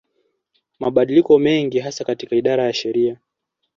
Mabadiliko mengine hasa katika idara ya sheria